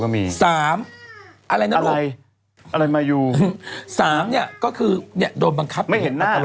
ไม่เห็นหน้า